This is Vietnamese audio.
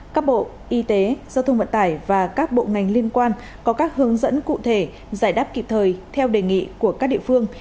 các bộ y tế giao thông vận tải và các bộ ngành liên quan có các hướng dẫn cụ thể giải đáp kịp thời theo đề nghị của các địa phương